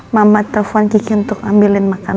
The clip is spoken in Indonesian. mama telepon cici untuk ambilin makan